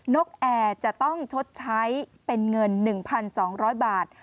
นกแอร์จะต้องชดใช้เป็นเงิน๑๒๐๐บาท